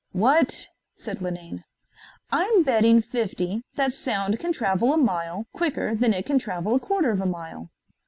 "What?" said Linane. "I'm betting fifty that sound can travel a mile quicker than it can travel a quarter of a mile."